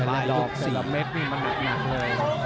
ตาระเม็ดนี่มันหนักเลย